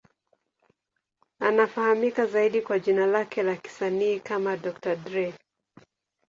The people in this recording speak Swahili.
Anafahamika zaidi kwa jina lake la kisanii kama Dr. Dre.